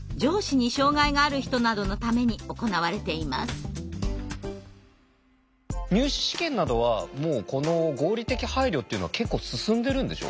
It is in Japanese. そして入試試験などはこの合理的配慮というのは結構進んでるんでしょうか？